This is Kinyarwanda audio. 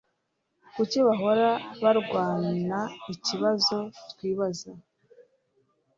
Kuki bahora barwanaikibazo twibaza